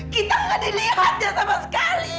kita nggak dilihat sama sekali